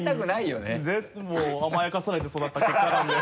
甘やかされて育った結果なので。